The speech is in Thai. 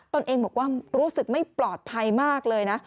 ตนเองบอกว่ารู้สึกไม่ปลอดภัยมากเลยนะ